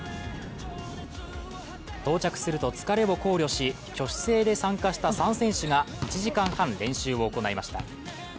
到着すると、疲れを考慮し、挙手制で参加した３選手が１時間半、練習を行いました。